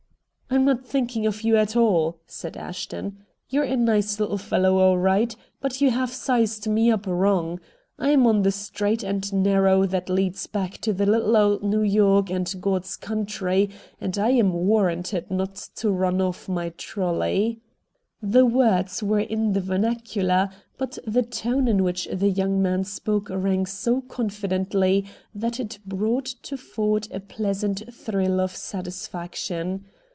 "I'm not thinking of you at all," said Ashton. "You're a nice little fellow all right, but you have sized me up wrong. I am on the 'straight and narrow' that leads back to little old New York and God's country, and I am warranted not to run off my trolley." The words were in the vernacular, but the tone in which the young man spoke rang so confidently that it brought to Ford a pleasant thrill of satisfaction.